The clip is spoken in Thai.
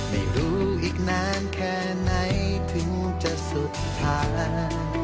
ไม่รู้อีกนานแค่ไหนถึงจะสุดท้าย